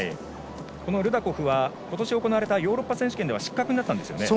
ルダコフは今年行われたヨーロッパ選手権では失格になったんですね。